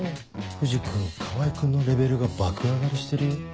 藤君川合君のレベルが爆上がりしてるよ。